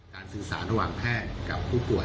สื่อสารระหว่างแพทย์กับผู้ป่วย